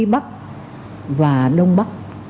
bắc và đông bắc